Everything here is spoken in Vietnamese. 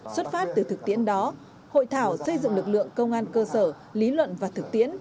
xuất phát từ thực tiễn đó hội thảo xây dựng lực lượng công an cơ sở lý luận và thực tiễn